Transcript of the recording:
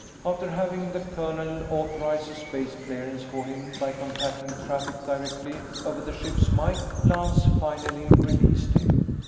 After having the colonel authorize a space clearance for him by contacting Traffic directly over the ship's mike, Lance finally released him.